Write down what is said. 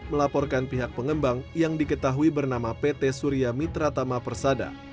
melaporkan pihak pengembang yang diketahui bernama pt surya mitra tama persada